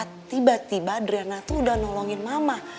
tiba tiba adriana tuh udah nolongin mama